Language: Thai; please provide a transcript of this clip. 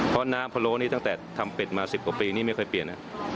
เพราะน้ำพะโลพร่องนี้ตั้งแต่ทำเป็ดมา๑๐ปีนี่ไม่เคยเปลี่ยน